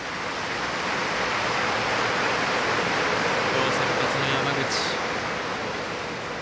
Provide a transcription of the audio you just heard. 今日先発の山口。